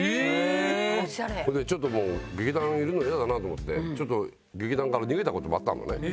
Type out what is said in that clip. それでちょっともう劇団いるの嫌だなと思ってちょっと劇団から逃げた事もあったのね。